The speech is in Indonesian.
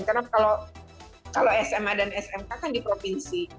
karena kalau sma dan smk kan di provinsi